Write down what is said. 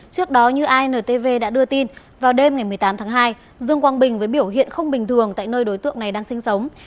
trước đó như intv đã đưa tin vào đêm ngày một mươi tám tháng hai dương quang bình với biểu hiện không bình thường tại nơi đối tượng này đang sinh sống